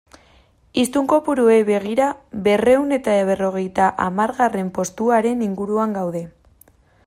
Hiztun kopuruei begira, berrehun eta berrogeita hamargarren postuaren inguruan gaude.